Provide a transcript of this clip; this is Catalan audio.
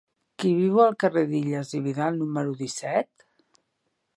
Qui viu al carrer d'Illas i Vidal número disset?